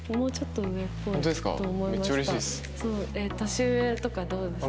年上とかどうですか？